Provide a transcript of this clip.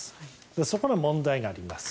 そこの問題があります。